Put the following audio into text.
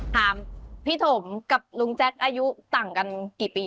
ถามพี่ถมกับลุงแจ๊คอายุต่างกันกี่ปี